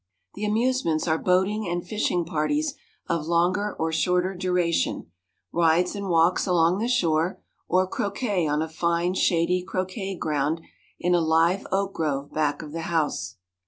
The amusements are boating and fishing parties of longer or shorter duration, rides and walks along the shore, or croquet on a fine, shady croquet ground in a live oak grove back of the house.